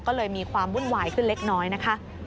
ก็เลยมีความวุ่นวายขึ้นเล็กน้อยนะคะ